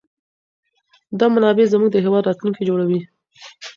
دا منابع زموږ د هېواد راتلونکی جوړوي.